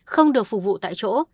không được phục vụ tại chỗ